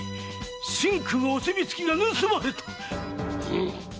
神君お墨付きが盗まれた⁉うむ。